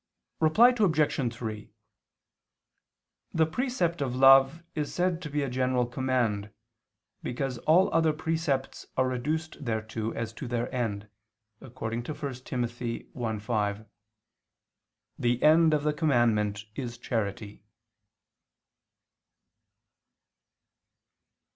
Reply Obj. 3: The precept of love is said to be a general command, because all other precepts are reduced thereto as to their end, according to 1 Tim. 1:5: "The end of the commandment is charity."